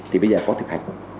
thì bây giờ có thực hành